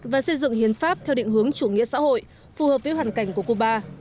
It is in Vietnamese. và xây dựng hiến pháp theo định hướng chủ nghĩa xã hội phù hợp với hoàn cảnh của cuba